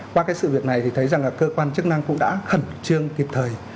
qua cái sự việc này thì thấy rằng là cơ quan chức năng cũng đã khẩn trương kịp thời